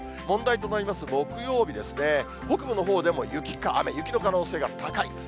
問題となります木曜日ですね、北部のほうでも雪か雨、雪の可能性が高い。